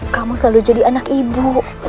kamu selalu jadi anak ibu